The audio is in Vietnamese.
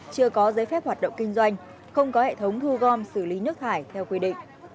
chưa có giấy phép hoạt động kinh doanh không có hệ thống thu gom xử lý nước thải theo quy định